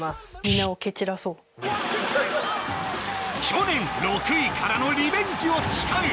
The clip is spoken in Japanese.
去年６位からのリベンジを誓う